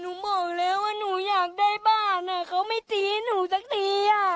หนูบอกแล้วว่าหนูอยากได้บ้านอ่ะเขาไม่จี้หนูสักทีอ่ะ